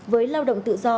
với lao động tự do